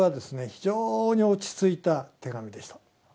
非常に落ち着いた手紙でした。